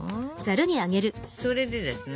それでですね